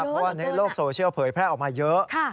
เพราะว่าในโลกโซเชียลเผยแพร่ออกมาเยอะ